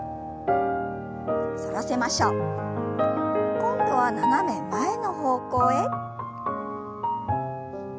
今度は斜め前の方向へ。